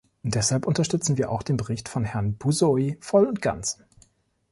Deshalb unterstützen wir auch den Bericht von Herrn Buşoi voll und ganz.